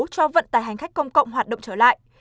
cho vận tải hành khách công cộng hoạt động trở lại